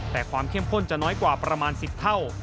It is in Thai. แต่ความเข้มข้นจะน้อยกว่าประมาณ๑๐เท่า